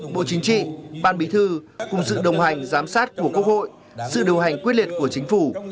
bộ chính trị ban bí thư cùng sự đồng hành giám sát của quốc hội sự điều hành quyết liệt của chính phủ